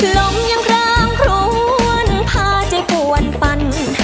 ลมอย่างกลางพร้วนพาใจปวนปัน